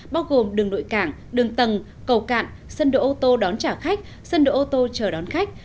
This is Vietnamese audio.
bao gồm đường nội cảng đường tầng cầu cạn sân đội ô tô đón trả khách sân đội ô tô chờ đón khách